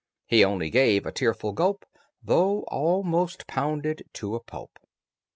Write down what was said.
He only gave a tearful gulp, Though almost pounded to a pulp.